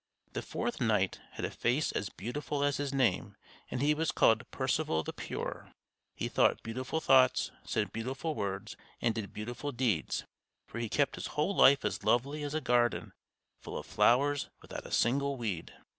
The fourth knight had a face as beautiful as his name, and he was called Percival the Pure. He thought beautiful thoughts, said beautiful words, and did beautiful deeds, for he kept his whole life as lovely as a garden full of flowers without a single weed.